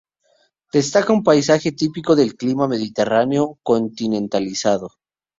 Destaca un paisaje típico del clima mediterráneo continentalizado.